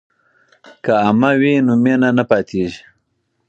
که عمه وي نو مینه نه پاتیږي.